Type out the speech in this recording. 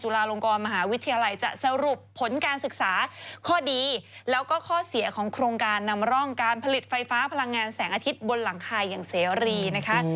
ลาลงกรมหาวิทยาลัยจะสรุปผลการศึกษาข้อดีแล้วก็ข้อเสียของโครงการนำร่องการผลิตไฟฟ้าพลังงานแสงอาทิตย์บนหลังคาอย่างเสรีนะคะ